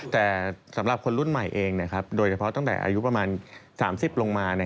แต่สำหรับคนรุ่นใหม่เองโดยเฉพาะตั้งแต่อายุประมาณ๓๐ลงมา